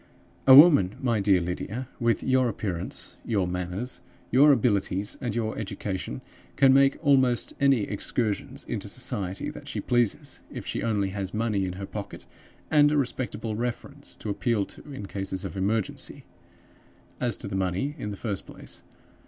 "A woman, my dear Lydia, with your appearance, your manners, your abilities, and your education, can make almost any excursions into society that she pleases if she only has money in her pocket and a respectable reference to appeal to in cases of emergency. As to the money, in the first place.